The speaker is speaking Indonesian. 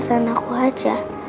apa ini perasaan aku aja